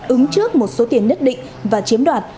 ứng trước một số tiền nhất định và chiếm đoạt